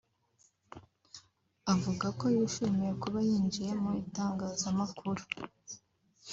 avuga ko yishimiye kuba yinjiye mu itangazamakuru